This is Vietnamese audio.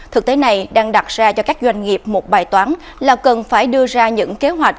thực tế này đang đặt ra cho các doanh nghiệp một bài toán là cần phải đưa ra những kế hoạch